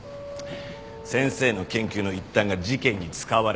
先生の研究の一端が事件に使われた。